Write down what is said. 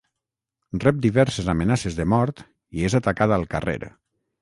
Rep diverses amenaces de mort i és atacat al carrer.